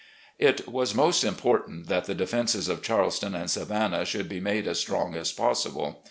It was most important that the defenses of Charleston and Savannah should be made as strong as possible.